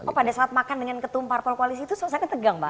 oh pada saat makan dengan ketumpar pola koalisi itu suasana tegang pak